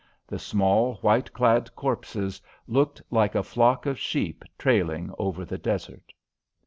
The small, white clad corpses looked like a flock of sheep trailing over the desert.